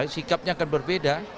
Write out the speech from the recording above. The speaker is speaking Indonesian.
sikapnya akan berbeda